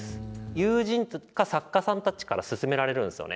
友人とか作家さんたちから勧められるんですよね。